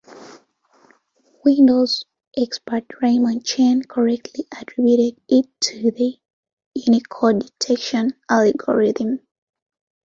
Windows expert Raymond Chen correctly attributed it to the Unicode detection algorithm.